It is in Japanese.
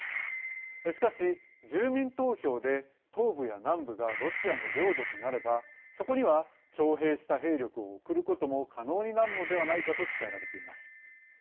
しかし、住民投票で東部や南部がロシアの領土となればそこには徴兵した兵力を送ることも可能になるのではないかと伝えられています。